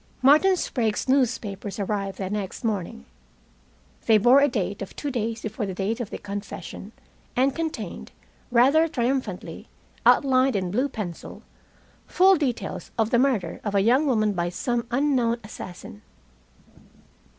Martin Sprague's newspapers arrived the next morning. They bore a date of two days before the date of the confession, and contained, rather triumphantly outlined in blue pencil, full details of the murder of a young woman by some unknown assassin.